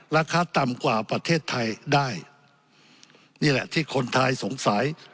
ราคาต่ำกว่าประเทศไทยได้นี่แหละที่คนไทยสงสัย